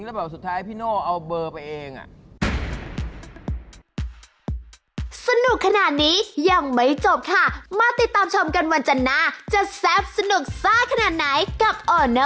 แล้วแบบสุดท้ายพี่โน่เอาเบอร์ไปเอง